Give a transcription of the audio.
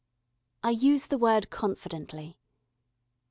I use the word confidently.